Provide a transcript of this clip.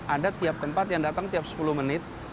ada tiap tempat yang datang tiap sepuluh menit